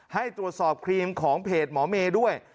ให้ตรวจสอบครีมของเพจหมอเมย์ด้วย